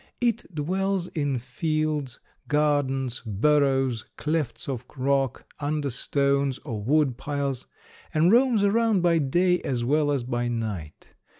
It dwells in fields, gardens, burrows, clefts of rock, under stones or wood piles, and roams around by day as well as by night.